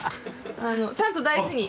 ちゃんと大事に。